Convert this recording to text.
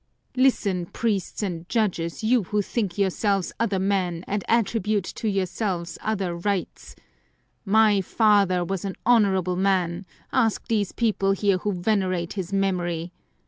Listen, priests and judges, you who think yourselves other men and attribute to yourselves other rights: my father was an honorable man, ask these people here, who venerate his memory.